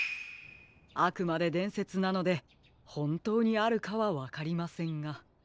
あくまででんせつなのでほんとうにあるかはわかりませんが。